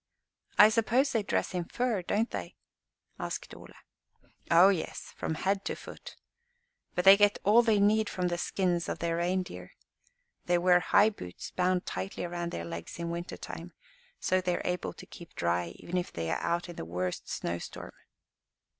"I suppose they dress in fur, don't they?" asked Ole. "O yes, from head to foot. But they get all they need from the skins of their reindeer. They wear high boots bound tightly around their legs in winter time, so they are able to keep dry, even if they are out in the worst snow storm."